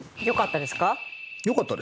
よかったです。